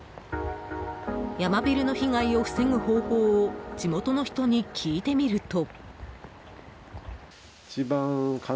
ヤマビルの被害を防ぐ方法を地元の人に聞いてみると。